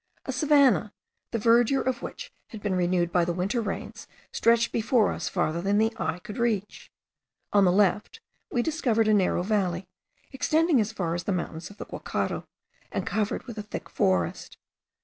A savannah, the verdure of which had been renewed by the winter rains, stretched before us farther than the eye could reach. On the left we discovered a narrow valley, extending as far as the mountains of the Guacharo, and covered with a thick forest.